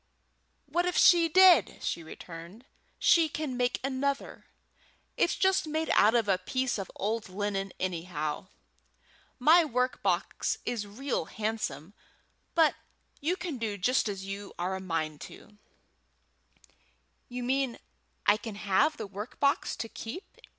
"What if she did?" she returned. "She can make another. It's just made out of a piece of old linen, anyhow. My work box is real handsome; but you can do just as you are a mind to." "Do you mean I can have the work box to keep?"